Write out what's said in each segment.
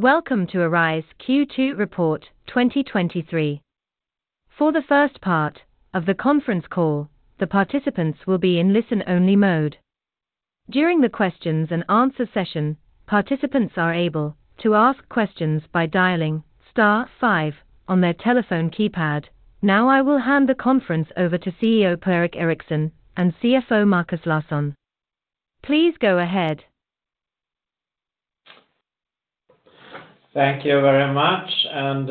Welcome to Arise Q2 report 2023. For the first part of the conference call, the participants will be in listen-only mode. During the questions-and-answer session, participants are able to ask questions by dialing star five on their telephone keypad. I will hand the conference over to CEO Per-Erik Eriksson, and CFO Markus Larsson. Please go ahead. Thank you very much, and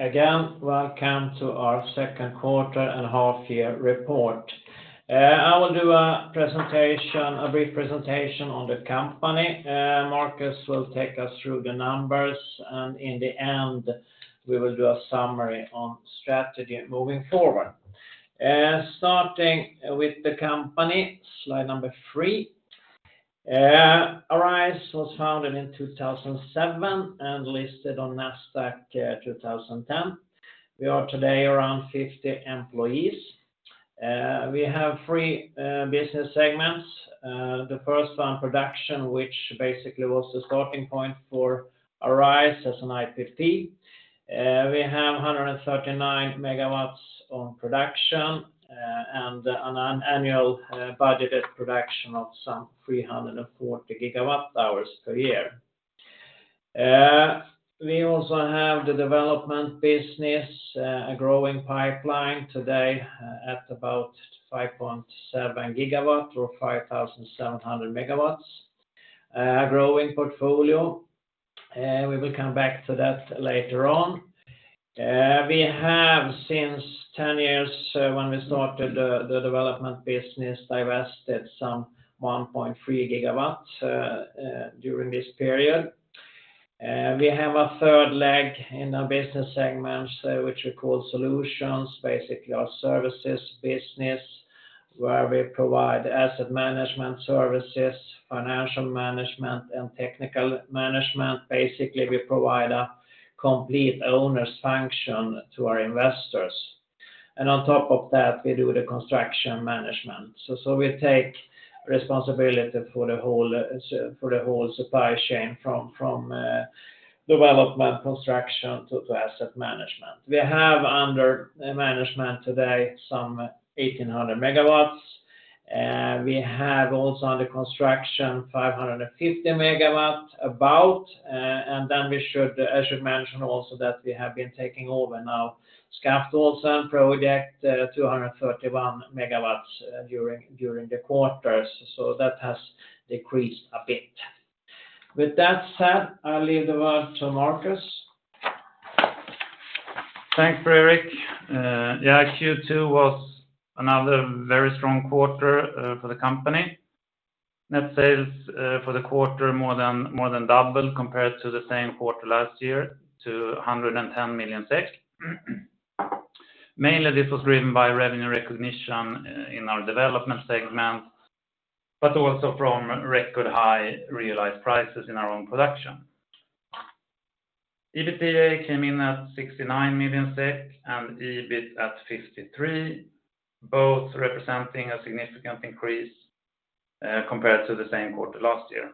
again, welcome to our Q2 and half-year report. I will do a brief presentation on the company. Markus will take us through the numbers, and in the end, we will do a summary on strategy moving forward. Starting with the company, slide number three. Arise was founded in 2007 and listed on Nasdaq 2010. We are today around 50 employees. We have three business segments. The first one, production, which basically was the starting point for Arise as an IPP. We have 139 MW on production and an annual budgeted production of some 340 GWh per year. We also have the development business, a growing pipeline today at about 5.7 GW or 5,700 MW, growing portfolio, we will come back to that later on. We have since 10 years, when we started the development business, divested some 1.3 GW, during this period. We have a third leg in our business segments, which we call solutions, basically our services business, where we provide asset management services, financial management, and technical management. Basically, we provide a complete owner's function to our investors. On top of that, we do the construction management. We take responsibility for the whole, for the whole supply chain from development, construction, to asset management. We have under management today some 1,800 MW, we have also under construction, 550 MW, about. I should mention also that we have been taking over now, Skaftåsen project, 231 MW during the quarters. That has decreased a bit. With that said, I'll leave the word to Markus. Thanks, Per-Erik. Yeah, Q2 was another very strong quarter for the company. Net sales for the quarter, more than double compared to the same quarter last year, to 110 million SEK. Mainly, this was driven by revenue recognition in our development segment, but also from record high realized prices in our own production. EBITDA came in at 69 million SEK, and EBIT at 53 million, both representing a significant increase compared to the same quarter last year.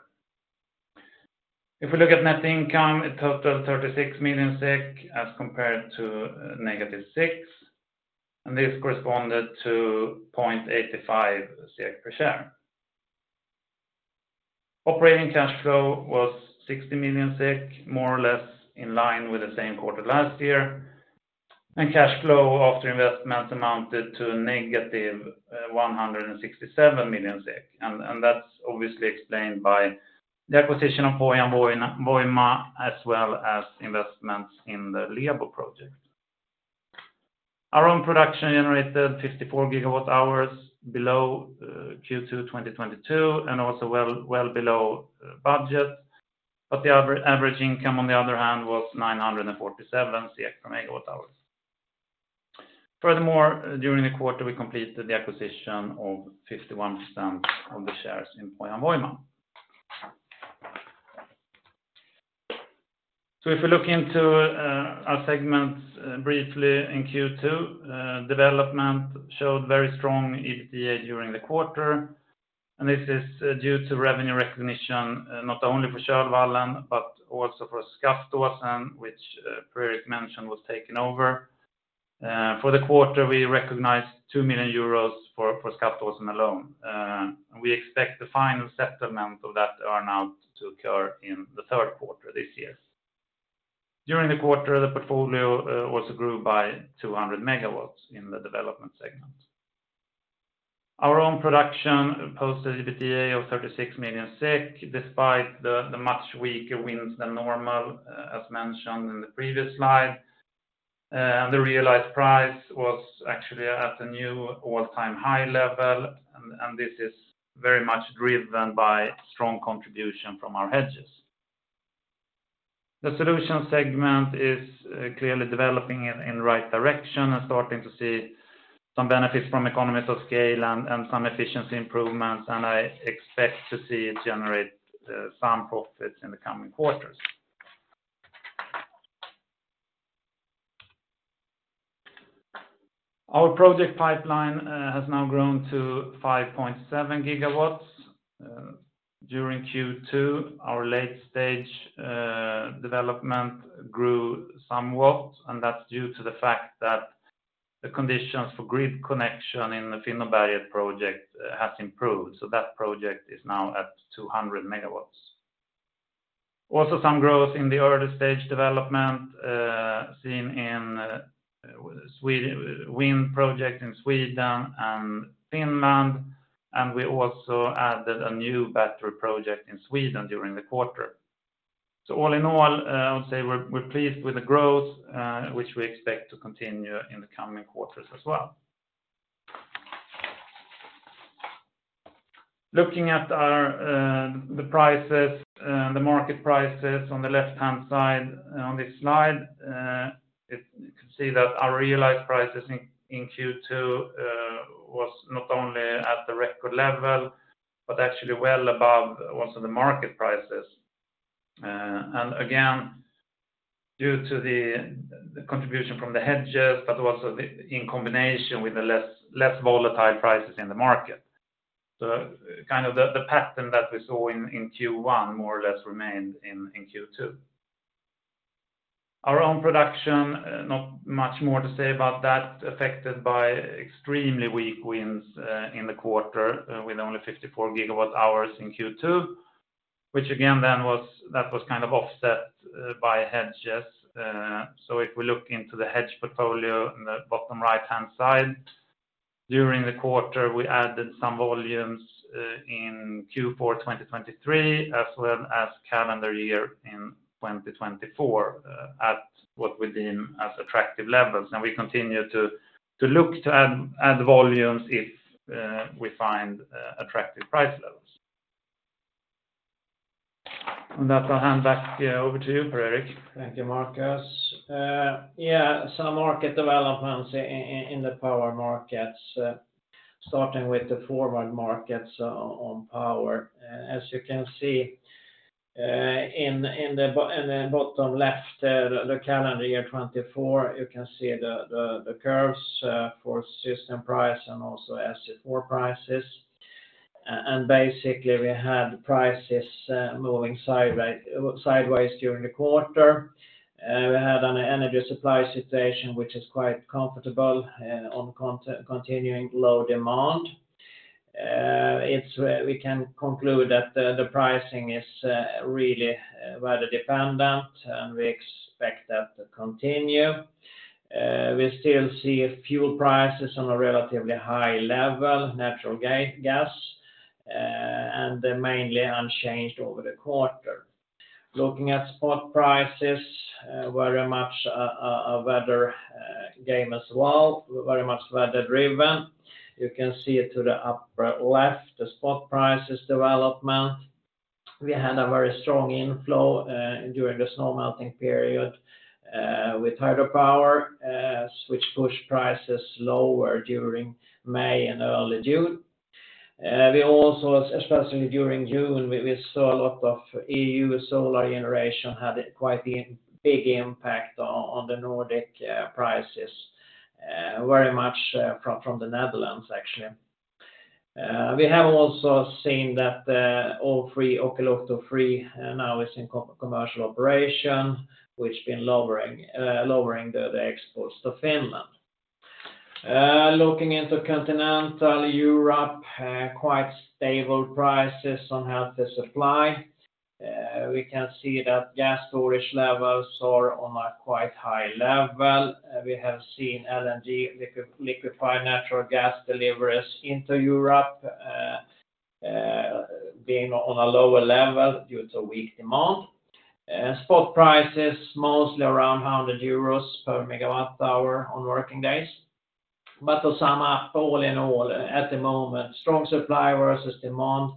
If we look at net income, a total of 36 million SEK, as compared to negative 6 million. This corresponded to 0.85 SEK per share. Operating cash flow was 60 million SEK, more or less in line with the same quarter last year. Cash flow after investments amounted to negative 167 million SEK. That's obviously explained by the acquisition of Pohjan Voima, as well as investments in the Lebo project. Our own production generated 54 GWh below Q2 2022, and also well below budget, but the average income, on the other hand, was 947 per MWh. Furthermore, during the quarter, we completed the acquisition of 51% of the shares in Pohjan Voima. If we look into our segments briefly in Q2, development showed very strong EBITDA during the quarter, and this is due to revenue recognition not only for Kölvallen, but also for Skaftåsen, which Per-Erik mentioned was taken over. For the quarter, we recognized 2 million euros for Skaftåsen alone, and we expect the final settlement of that amount to occur in the Q3 this year. During the quarter, the portfolio also grew by 200 MW in the development segment. Our own production posted EBITDA of 36 million SEK, despite the much weaker winds than normal, as mentioned in the previous slide, and this is very much driven by strong contribution from our hedges. The solution segment is clearly developing in the right direction and starting to see some benefits from economies of scale and some efficiency improvements, and I expect to see it generate some profits in the coming quarters. Our project pipeline has now grown to 5.7 GW. During Q2, our late-stage development grew somewhat, and that's due to the fact that the conditions for grid connection in the Finnberget project has improved. That project is now at 200 MW. Also, some growth in the early-stage development, seen in, wind project in Sweden and Finland, and we also added a new battery project in Sweden during the quarter. All in all, I would say we're pleased with the growth, which we expect to continue in the coming quarters as well. Looking at our, the prices, the market prices on the left-hand side on this slide, you can see that our realized prices in Q2 was not only at the record level, but actually well above also the market prices. Again, due to the contribution from the hedges, but also the, in combination with the less volatile prices in the market. Kind of the pattern that we saw in Q1, more or less remained in Q2. Our own production, not much more to say about that, affected by extremely weak winds in the quarter, with only 54 GWh in Q2, which again, then that was kind of offset by hedges. If we look into the hedge portfolio in the bottom right-hand side, during the quarter, we added some volumes in Q4 2023, as well as calendar year in 2024, at what within as attractive levels. We continue to look to add volumes if we find attractive price levels. With that, I'll hand back over to you, Per-Erik. Thank you, Markus. Yeah, some market developments in the power markets, starting with the forward markets on power. As you can see, in the bottom left, the calendar year 2024, you can see the curves for system price and also SE4 prices. Basically, we had prices moving sideways during the quarter. We had an energy supply situation, which is quite comfortable, on continuing low demand. It's, we can conclude that the pricing is really rather dependent, and we expect that to continue. We still see fuel prices on a relatively high level, natural gas, and they're mainly unchanged over the quarter. Looking at spot prices, very much a weather game as well, very much weather-driven. You can see it to the upper left, the spot prices development. We had a very strong inflow during the snow melting period with hydropower, which pushed prices lower during May and early June. We also, especially during June, we saw a lot of EU solar generation had quite a big impact on the Nordic prices, very much from the Netherlands, actually. We have also seen that Olkiluoto 3 now is in commercial operation, which been lowering the exports to Finland. Looking into Continental Europe, quite stable prices on healthy supply. We can see that gas storage levels are on a quite high level. We have seen LNG, liquefied natural gas deliveries into Europe being on a lower level due to weak demand. Spot prices, mostly around 100 euros per megawatt hour on working days. To sum up, all in all, at the moment, strong supply versus demand,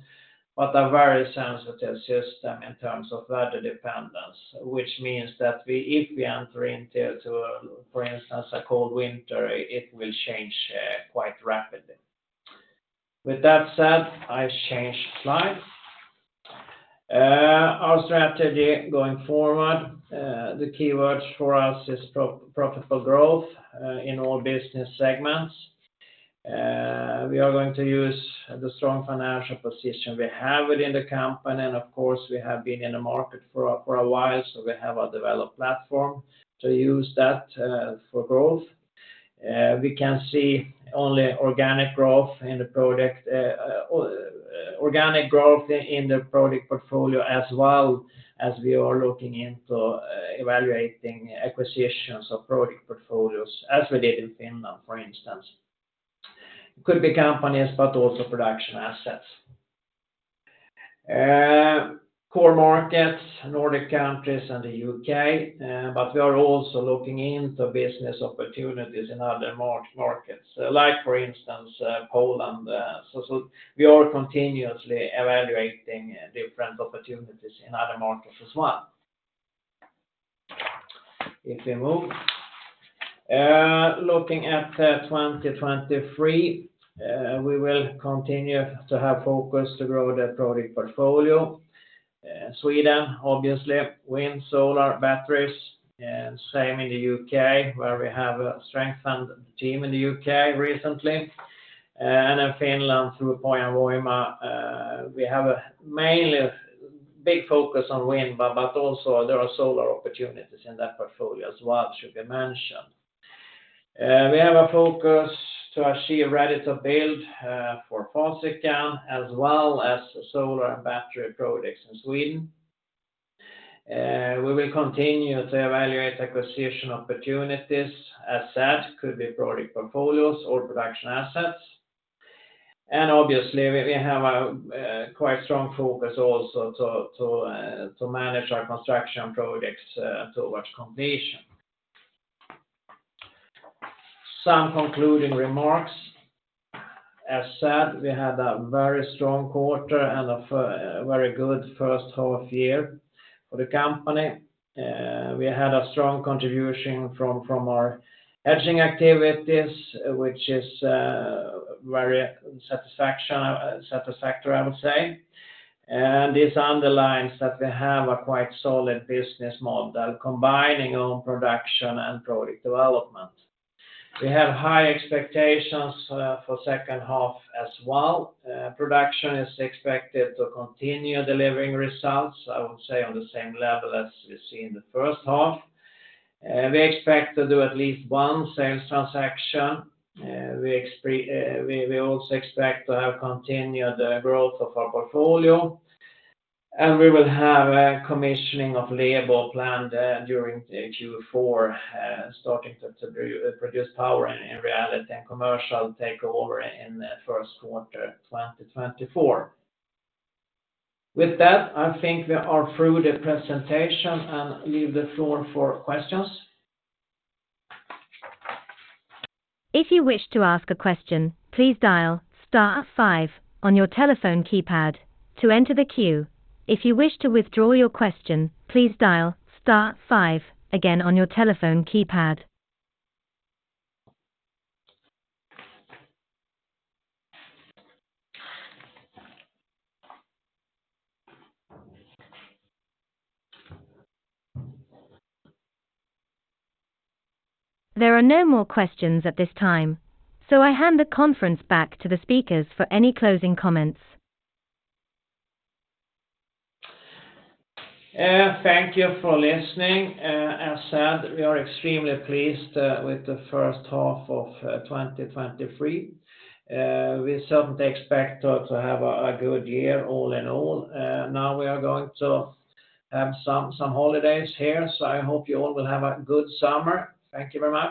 but a very sensitive system in terms of weather dependence, which means that if we enter into, for instance, a cold winter, it will change quite rapidly. With that said, I change slide. Our strategy going forward, the key words for us is profitable growth in all business segments. We are going to use the strong financial position we have within the company, and of course, we have been in the market for a while, so we have a developed platform to use that for growth. We can see only organic growth in the project portfolio, as well as we are looking into evaluating acquisitions of project portfolios, as we did in Finland, for instance. Could be companies, but also production assets. Core markets, Nordic countries, and the U.K., but we are also looking into business opportunities in other markets, like, for instance, Poland. We are continuously evaluating different opportunities in other markets as well. If we move. Looking at 2023, we will continue to have focus to grow the project portfolio. Sweden, obviously, wind, solar, batteries. Same in the U.K., where we have a strengthened team in the U.K. recently, and in Finland through Pohjan Voima, we have a mainly big focus on wind, but also there are solar opportunities in that portfolio as well, should be mentioned. We have a focus to achieve Ready-to-Build for Fasikan, as well as solar and battery projects in Sweden. We will continue to evaluate acquisition opportunities. As said, could be project portfolios or production assets. Obviously, we have a quite strong focus also to manage our construction projects towards completion. Some concluding remarks. As said, we had a very strong quarter and a very good first half year for the company. We had a strong contribution from our hedging activities, which is very satisfactory, I would say. This underlines that we have a quite solid business model, combining own production and project development. We have high expectations for second half as well. Production is expected to continue delivering results, I would say, on the same level as we see in the first half. We expect to do at least one sales transaction. We also expect to have continued growth of our portfolio, and we will have a commissioning of Lebo planned during the Q4, starting to produce power in reality and commercial take over in the Q1, 2024. With that, I think we are through the presentation and leave the floor for questions. If you wish to ask a question, please dial star five on your telephone keypad to enter the queue. If you wish to withdraw your question, please dial star five again on your telephone keypad. There are no more questions at this time, so I hand the conference back to the speakers for any closing comments. Thank you for listening. As said, we are extremely pleased with the first half of 2023. We certainly expect to have a good year all in all. Now we are going to have some holidays here, so I hope you all will have a good summer. Thank you very much.